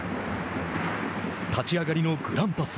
立ち上がりのグランパス。